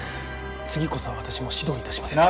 次こそは私も指導いたしますから。